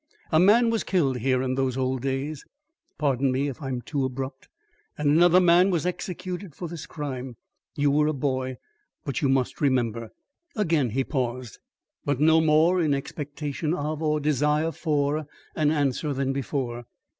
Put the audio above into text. "A man was killed here in those old days pardon me if I am too abrupt and another man was executed for this crime. You were a boy but you must remember." Again he paused; but no more in expectation of or desire for an answer than before.